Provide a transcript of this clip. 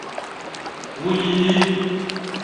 — Ули-и!